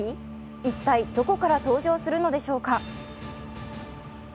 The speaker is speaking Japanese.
一体どこから登場するのでしょうか。